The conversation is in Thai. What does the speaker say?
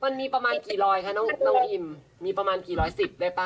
มันมีประมาณกี่รอยคะน้องอิ่มมีประมาณกี่ร้อยสิบได้ป่